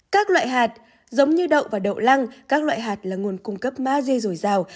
các loại hạt giống như đậu và đậu lăng các loại hạt là nguồn cung cấp maze dồi dào